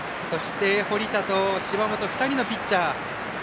堀田と芝本２人のピッチャー。